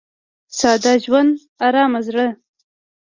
• ساده ژوند، ارامه زړه.